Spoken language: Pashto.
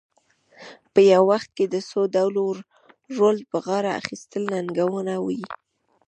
په یو وخت کې د څو ډوله رول په غاړه اخیستل ننګونه وي.